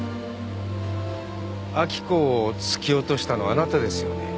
明子を突き落としたのはあなたですよね？